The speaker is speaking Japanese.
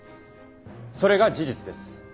それが事実です。